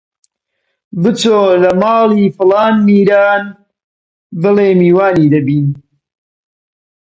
بچۆ لە ماڵی فڵان میران بڵێ میوانی دەبین!